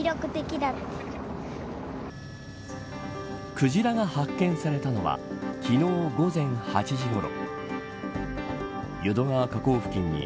クジラが発見されたのは昨日、午前８時ごろ。